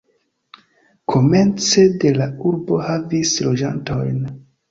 Komence de la urbo havis loĝantojn.